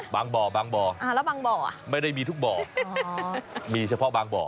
บางบ่อบางบ่ออ่าแล้วบางบ่อไม่ได้มีทุกบ่อมีเฉพาะบางบ่อ